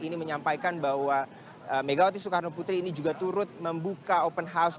ini menyampaikan bahwa megawati soekarno putri ini juga turut membuka open house